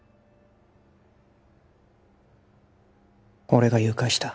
俺が誘拐した